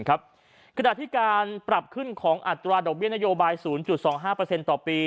ขณะที่การปรับขึ้นของอัตราดอกเบี้นโยบาย๐๒๕ต่อปี